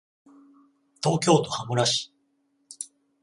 東京都羽村市